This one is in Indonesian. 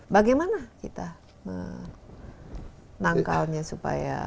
bagaimana kita menangkalnya supaya